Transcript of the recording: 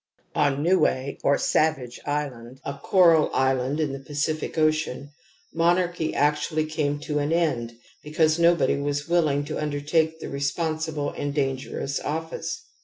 On Nine or Savage Island, a coral island in the Pacific Ocean, monarchy actually came to an end because nobody was willing to undertake the responsible and dangerous office.